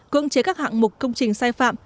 cưỡng chế các hạng mục công trình sai phạm